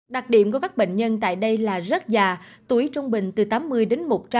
đặc điểm của các bệnh nhân tại đây là rất già tuổi trung bình từ tám mươi đến một trăm linh